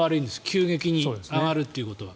急激に上がるということが。